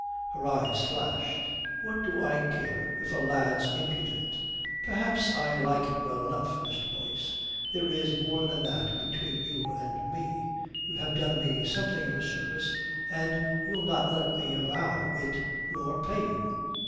Her eyes flashed. "What do I care if a lad's impudent? Perhaps I like it well enough, Mr. Boyce. There is more than that between you and me. You have done me something of a service, and you'll not let me avow it nor pay you.